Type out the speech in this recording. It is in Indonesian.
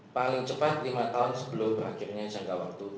paling cepat lima tahun sebelum akhirnya jangka waktu